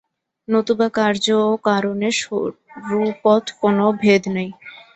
নতুবা কার্য ও কারণে স্বরূপত কোন ভেদ নাই।